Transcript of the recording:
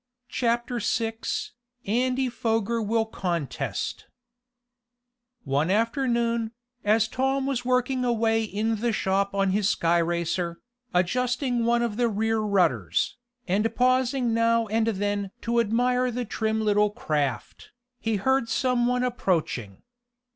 Chapter Six Andy Foger Will Contest One afternoon, as Tom was working away in the shop on his sky racer, adjusting one of the rear rudders, and pausing now and then to admire the trim little craft, he heard some one approaching.